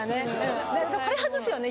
これ外すよね